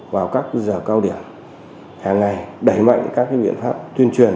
vào các giờ cao điểm hàng ngày đẩy mạnh các biện pháp tuyên truyền